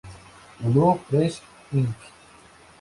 Lulu Press Inc.